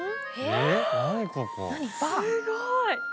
すごい！